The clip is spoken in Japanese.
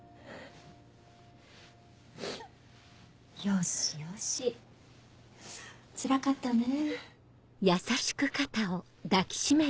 よしよしつらかったね。